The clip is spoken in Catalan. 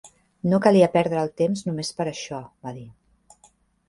"No calia perdre el temps només per a això", va dir.